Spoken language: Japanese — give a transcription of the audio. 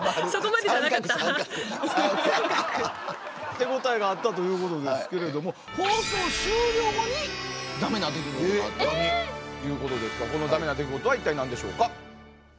手応えがあったということですけれども放送終了後にだめな出来事があったいうことですがこのだめな出来事は一体何でしょうか？